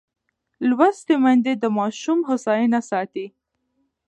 لوستې میندې د ماشوم هوساینه ساتي.